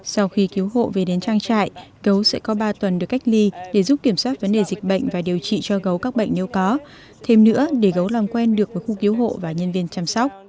sau khi cứu hộ về đến trang trại gấu sẽ có ba tuần được cách ly để giúp kiểm soát vấn đề dịch bệnh và điều trị cho gấu các bệnh nếu có thêm nữa để gấu làm quen được với khu cứu hộ và nhân viên chăm sóc